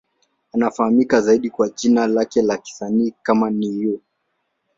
Anafahamika zaidi kwa jina lake la kisanii kama Ne-Yo.